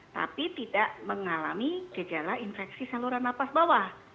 tapi tidak mengalami gejala infeksi saluran nafas bawah